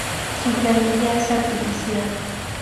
Su gramilla es artificial.